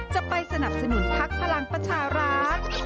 จะไปสนับสนุนพักพลังประชารัฐ